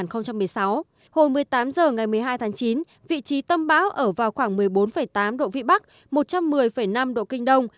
hồi một mươi một h ngày một mươi hai tháng chín vị trí tâm bão ở vào khoảng một mươi bốn tám độ vĩ bắc một trăm một mươi năm độ kinh đông